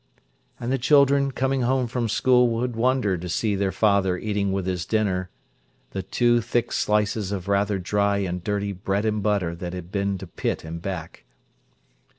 And the children, coming home from school, would wonder to see their father eating with his dinner the two thick slices of rather dry and dirty bread and butter that had been to pit and back.